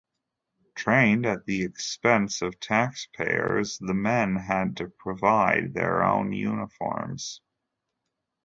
Trained at the expense of taxpayers, the men had to provide their own uniforms.